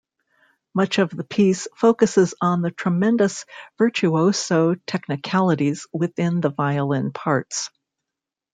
Much of the piece focuses on the tremendous virtuoso-technicalities within the violin parts.